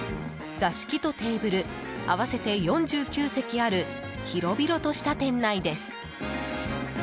座敷とテーブル、合わせて４９席ある広々とした店内です。